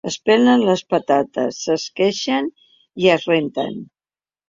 Es pelen les patates, s’esqueixen i es renten.